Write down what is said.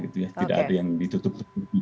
tidak ada yang ditutup